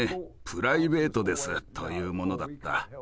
プライベートです」というものだった。